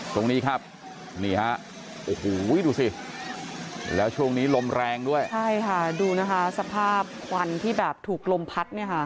ตรงนี้ครับนี่ฮะโอ้โหดูสิแล้วช่วงนี้ลมแรงด้วยใช่ค่ะดูนะคะสภาพควันที่แบบถูกลมพัดเนี่ยค่ะ